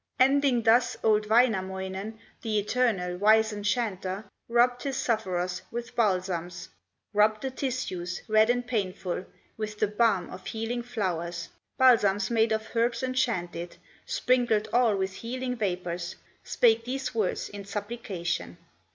Ending thus, old Wainamoinen, The eternal, wise enchanter, Rubbed his sufferers with balsams, Rubbed the tissues, red and painful, With the balm of healing flowers, Balsams made of herbs enchanted, Sprinkled all with healing vapors, Spake these words in supplication.